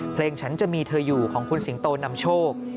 ฉันจะมีเธออยู่ของคุณสิงโตนำโชค